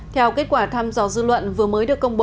theo kết quả thăm dò dư luận vừa mới được công bố